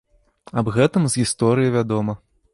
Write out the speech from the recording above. Аб гэтым з гісторыі вядома.